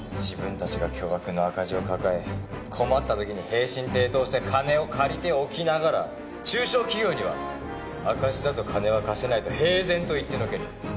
自分たちが巨額の赤字を抱え困った時に平身低頭して金を借りておきながら中小企業には赤字だと金は貸せないと平然と言ってのける。